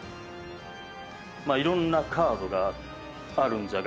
いろんなカードがあるんじゃが。